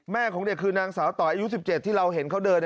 ของเด็กคือนางสาวต่อยอายุ๑๗ที่เราเห็นเขาเดิน